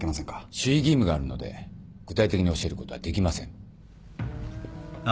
守秘義務があるので具体的に教えることはできません。